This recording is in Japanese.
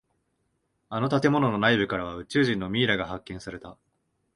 あの建物の内部からは宇宙人のミイラが発見された。